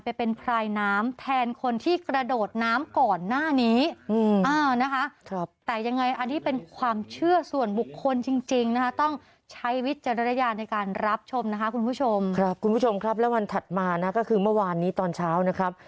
และวันถัดมาก็คือเมื่อวานนี้ตอนเช้า